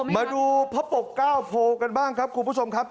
มาดูพระปกเก้าโพกันบ้างครับคุณผู้ชมครับ